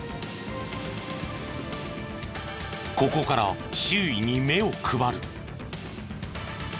ここから周囲に目を配る。